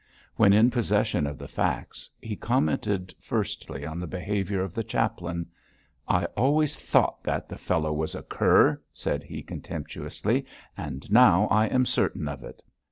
When in possession of the facts, he commented firstly on the behaviour of the chaplain. 'I always thought that the fellow was a cur!' said he, contemptuously, 'and now I am certain of it.'